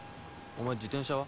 お前自転車は？